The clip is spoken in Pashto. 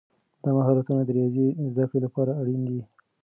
دا مهارتونه د ریاضي زده کړې لپاره اړین دي.